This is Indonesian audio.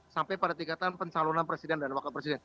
sampai pada tingkatan pencalonan presiden dan wakil presiden